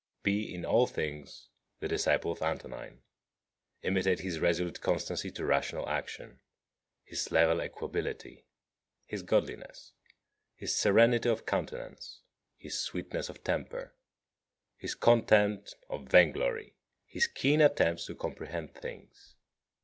Be in all things the disciple of Antonine. Imitate his resolute constancy to rational action, his level equability, his godliness, his serenity of countenance, his sweetness of temper, his contempt of vainglory, his keen attempts to comprehend things.